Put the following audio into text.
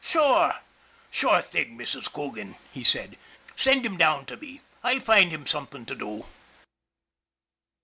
" Sure. Sure thing, Mrs. Coogan," he said. " Send him down to me. I'll find him something to do."